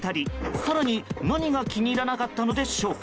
更に何が気に入らなかったのでしょうか